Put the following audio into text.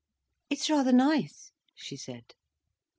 "It's rather nice," she said.